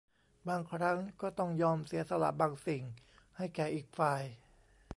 บางครั้งก็ต้องยอมเสียสละบางสิ่งให้แก่อีกฝ่าย